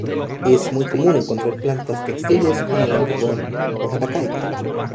Es muy común encontrar plantas textiles como el algodón o la pacaya.